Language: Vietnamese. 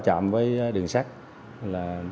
đã bồi ở cuồng trạm